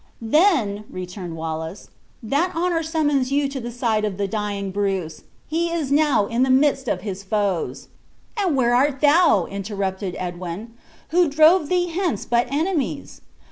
"Then," returned Wallace, "that honor summons you to the side of the dying Bruce. He is now in the midst of his foes." "And where art thou?" interrupted Edwin; "who drove thee hence but enemies?